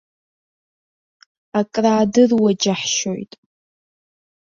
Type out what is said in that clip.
Акраадыруа џьаҳшьоит!